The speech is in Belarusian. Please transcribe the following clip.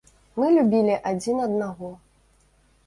Мы любілі адзін аднаго.